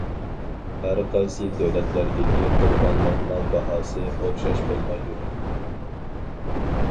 ھەرقايسى دۆلەتلەردىكى قۇربانلىق مال باھاسى ئوخشاش بولمايدۇ.